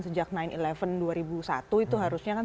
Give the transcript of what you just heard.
sejak sembilan sebelas dua ribu satu itu harusnya kan